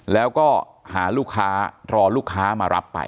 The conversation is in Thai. แล้วก็หาลูกค้ารอลูกค้ามารับไป